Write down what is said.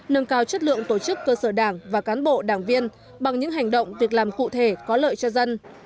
nâng cao chất lượng tổ chức cơ sở đảng và cán bộ đảng viên bằng những hành động việc làm cụ thể có lợi cho dân